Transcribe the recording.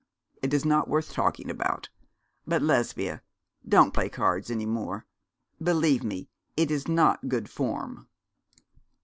'It is not worth talking about; but, Lesbia, don't play cards any more. Believe me, it is not good form.'